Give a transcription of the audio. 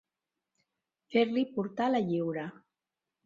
Fer-li portar la lliura.